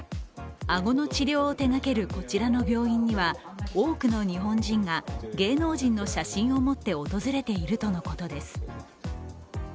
顎の治療を手がけるこちらの病院には多くの日本人が、芸能人の写真を持って訪れているとのことです。